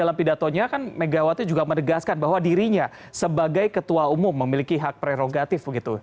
dalam pidatonya kan megawati juga menegaskan bahwa dirinya sebagai ketua umum memiliki hak prerogatif begitu